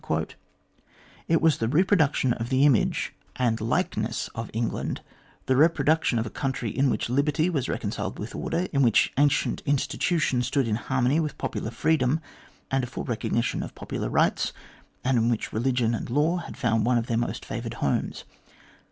It was the reproduction of the image and like 264 THE GLADSTONE COLONY ness of England the reproduction of a country in which liberty was reconciled with order, in which ancient institu tions stood in harmony with popular freedom and a full recognition of popular rights, and in which religion and law had found one of their most favoured homes.